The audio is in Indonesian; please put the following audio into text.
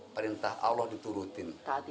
perintah allah diturutin